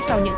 cô đang hai